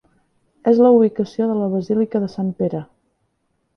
És la ubicació de la basílica de Sant Pere.